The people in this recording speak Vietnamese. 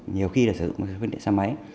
nhiều khi là sử dụng phương tiện xe máy